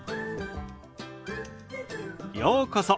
ようこそ。